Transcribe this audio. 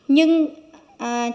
nhưng trải qua